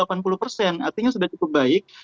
artinya sudah cukup baik